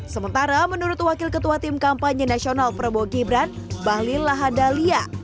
sementara menurut wakil ketua tim kampanye nasional prabowo gibran bahlil lahadalia